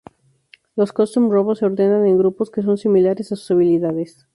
Los Custom Robos se ordenan en grupos que son similares a sus habilidades.